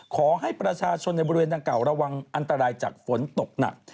ขอให้ประชาชนในบริเวณดังกล่าระวังอันตรายจากฝนตกหนัก